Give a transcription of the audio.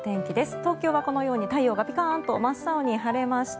東京はこのように太陽がピカーンと真っ青に晴れました。